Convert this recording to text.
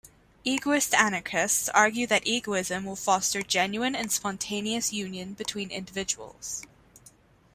Egoist anarchists argue that egoism will foster genuine and spontaneous union between individuals.